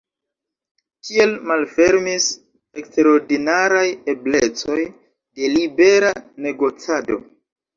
Tiel malfermis eksterordinaraj eblecoj de libera negocado.